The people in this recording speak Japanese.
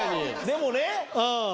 でもね。